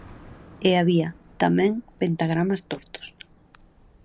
E había, tamén, pentagramas tortos.